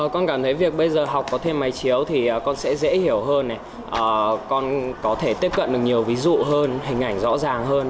con cảm thấy việc bây giờ học có thêm máy chiếu thì con sẽ dễ hiểu hơn con có thể tiếp cận được nhiều ví dụ hơn hình ảnh rõ ràng hơn